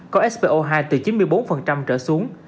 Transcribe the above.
có spo hai từ chín mươi bốn trở xuống